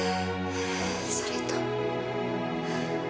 それと。